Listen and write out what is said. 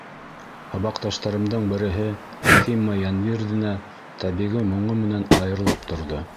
Һабаҡташтарымдың береһе — Хима Йәнбирҙина — тәбиғи моңо менән айырылып торҙо.